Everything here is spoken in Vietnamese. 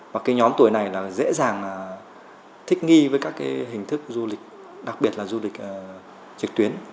và cái nhóm tuổi này là dễ dàng thích nghi với các cái hình thức du lịch đặc biệt là du lịch trực tuyến